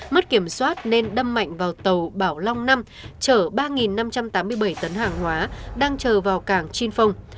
mất kiểm soát nên đâm mạnh vào tàu bảo long năm chở ba năm trăm tám mươi bảy tấn hàng hóa đang chờ vào cảng chin phong